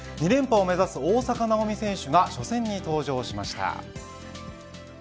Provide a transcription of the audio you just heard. ２連覇を目指す大坂なおみ選手が初戦に登場しました。